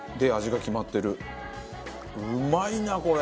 うまいなこれ！